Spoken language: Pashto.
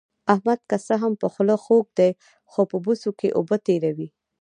احمد که څه هم په خوله خوږ دی، خو په بوسو کې اوبه تېروي.